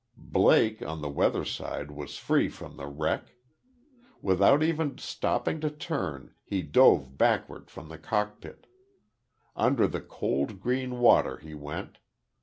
Blake, on the weather side, was free from the wreck. Without even stopping to turn, he dove backward from the cockpit. Under the cold, green water he went.